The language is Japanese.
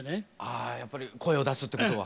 ああやっぱり声を出すっていうことは。